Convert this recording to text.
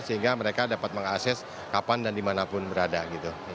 sehingga mereka dapat mengakses kapan dan dimanapun berada gitu